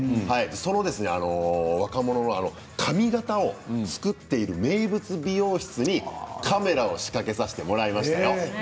若者の髪形を作っている名物美容室にカメラを仕掛けさせてもらいましたよ。